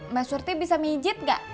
mbak surti bisa mijit gak